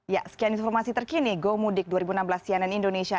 ya sekian informasi terkini gomudik dua ribu enam belas cnn indonesia